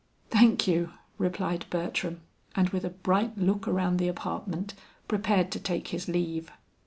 "Thank you!" replied Bertram, and with a bright look around the apartment, prepared to take his leave.